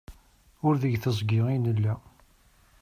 Ur deg teẓgi ay nella.